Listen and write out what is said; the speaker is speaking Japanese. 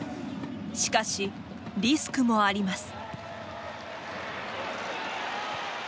しかし、リスクもあります。